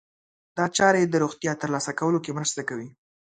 دا چاره يې د روغتیا ترلاسه کولو کې مرسته کوي.